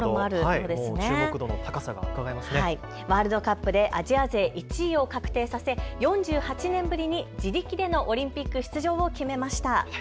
ワールドカップでアジア勢１位を確定させ４８年ぶりに自力でのオリンピック出場を決めました。